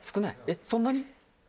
えっそんなに？